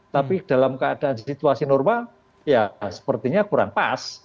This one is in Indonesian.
tapi dalam keadaan situasi normal ya sepertinya kurang pas